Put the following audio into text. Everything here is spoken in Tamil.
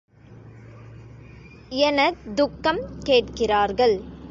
எனத் துக்கம் கேட்கிறார்கள்.